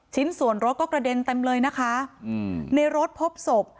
ชิ้นส่วนรถก็กระเด็นเต็มเลยนะคะอืมในรถพบศพ